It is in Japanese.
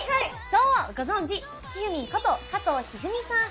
そうご存じひふみんこと加藤一二三さん。